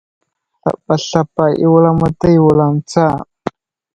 Sabasaba i wulamataya i wuzlam tsa.